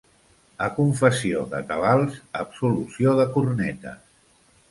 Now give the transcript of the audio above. A confessió de tabals, absolució de cornetes.